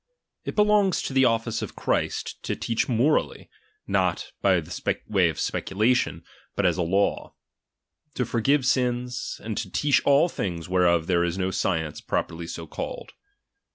It belongs to the office of Christ, to teach morally, not by the way of speculation, but as a law ; to forgive sins, and to teach all things whereof there is no science, properly so called.